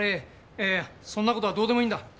いやいやそんな事はどうでもいいんだ。